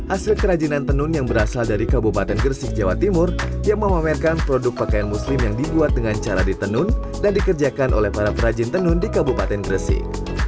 asli kerajinan tenun yang berasal dari kabupaten gresik jawa timur yang memamerkan produk pakaian muslim yang dibuat dengan cara ditenun dan dikerjakan oleh para perajin tenun di kabupaten gresik